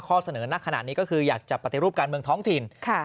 เสนอนักขนาดนี้ก็คืออยากจะปฏิรูปการเมืองท้องถิ่น